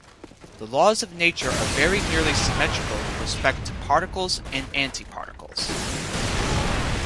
The laws of nature are very nearly symmetrical with respect to particles and antiparticles.